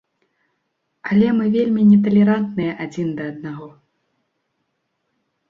Але мы вельмі неталерантныя адзін да аднаго.